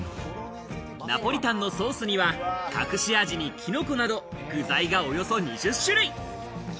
ナポリタンのソースには、隠し味にキノコなど具材がおよそ２０種類。